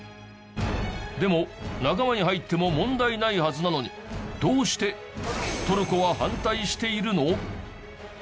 でも仲間に入っても問題ないはずなのにどうしてトルコは反対しているの？